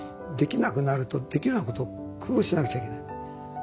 できなくなるとできないことを工夫しなくちゃいけない。